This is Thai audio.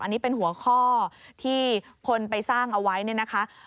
อันนี้เป็นหัวข้อที่คนไปสร้างเอาไว้เนี่ยนะคะ